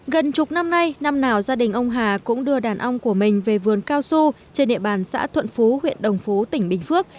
gần chục năm nay năm nào gia đình ông hà cũng đưa đàn ong của mình về vườn cao su trên địa bàn xã thuận phú huyện đồng phú tỉnh bình phước